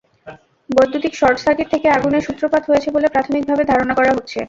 বৈদ্যুতিক শর্টসার্কিট থেকে আগুনের সূত্রপাত হয়েছে বলে প্রাথমিকভাবে ধারণা করা হচ্ছে।